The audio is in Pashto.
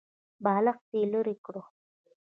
بالښت يې ليرې کړ.